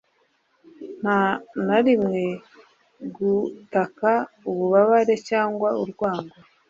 nta na rimwe gutaka ububabare cyangwa urwango,